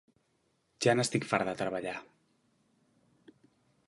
Ja n'estic fart, de treballar.